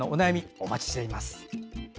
お待ちしております。